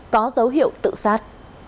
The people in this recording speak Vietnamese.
có dấu hiệu tự sát